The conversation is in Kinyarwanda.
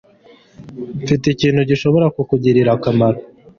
Mfite ikintu gishobora kukugirira akamaro